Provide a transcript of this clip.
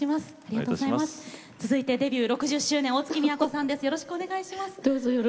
続いてデビュー６０周年大月みやこさんです。